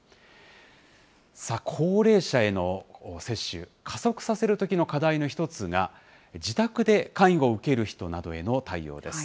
高齢者への接種、加速させるときの課題の一つが自宅で介護を受ける人などへの対応です。